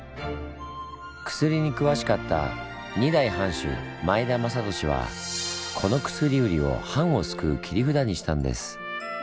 薬に詳しかった二代藩主前田正甫はこの薬売りを藩を救う切り札にしたんです。